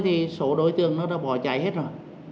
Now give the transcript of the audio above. thì số đối tượng nó đã bỏ chạy hết rồi